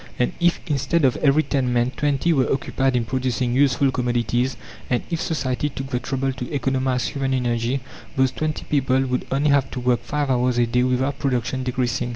And if, instead of every 10 men, 20 were occupied in producing useful commodities, and if society took the trouble to economize human energy, those 20 people would only have to work 5 hours a day without production decreasing.